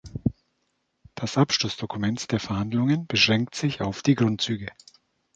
Das Abschlussdokument der Verhandlungen beschränkt sich auf die Grundzüge.